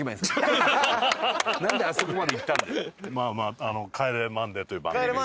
まあまあ『帰れマンデー』という番組で。